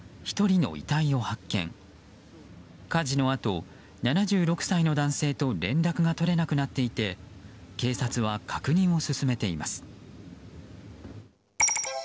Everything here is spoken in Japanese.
火事のあと、７６歳の男性と連絡が取れなくなっていて警察は確認を進めています。